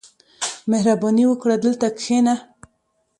• مهرباني وکړه، دلته کښېنه.